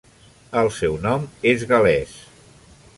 El seu nom es gal·lès.